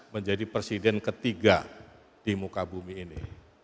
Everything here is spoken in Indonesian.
menjadi presiden ketiga di muka bumi ini